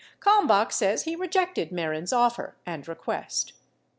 Kalmbach says he rejected Mehren's offer and request.